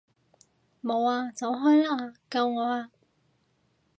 冇啊！走開啊！救我啊！